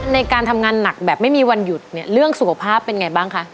ในการทำงานหนักแบบไม่มีวันหยุดเนี่ยเรื่องสุขภาพเป็นไงบ้างคะ